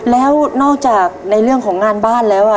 แล้วนอกจากในเรื่องของงานบ้านแล้ว